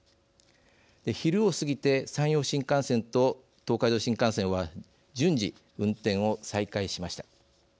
昼を過ぎて山陽新幹線と東海道新幹線は順次、運転を再開しました。